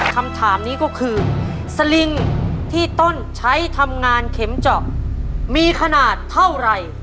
คำถามนี้ก็คือสลิงที่ต้นใช้ทำงานเข็มเจาะมีขนาดเท่าไหร่